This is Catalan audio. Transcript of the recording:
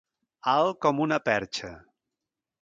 Alt com una perxa.